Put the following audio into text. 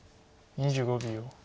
２５秒。